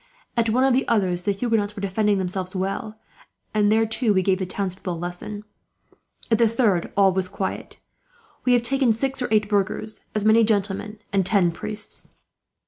At one of the others, the Huguenots were defending themselves well; and there, too, we gave the townspeople a lesson. At the third, all was quiet. We have taken six or eight burghers, as many gentlemen, and ten priests."